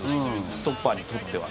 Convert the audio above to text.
ストッパーにとっては。